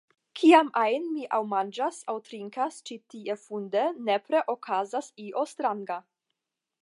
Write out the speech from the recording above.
Kiam ajn mi aŭ manĝas aŭ trinkas ĉi tie funde, nepre okazas io stranga.